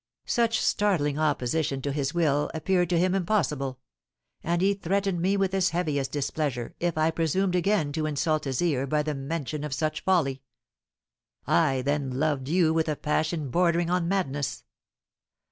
Such startling opposition to his will appeared to him impossible; and he threatened me with his heaviest displeasure if I presumed again to insult his ear by the mention of such folly. I then loved you with a passion bordering on madness.